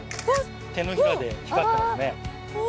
手のひらで、光ってますね。